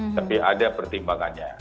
tapi ada pertimbangannya